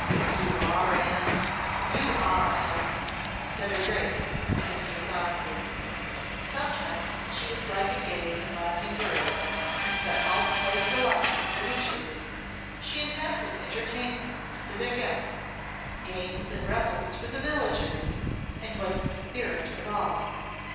"You are Anne! You are Anne!" said her Grace, and kissed her fondly. Sometimes she was like a gay and laughing girl, and set all the place alight with her witcheries; she invented entertainments for their guests, games and revels for the villagers, and was the spirit of all.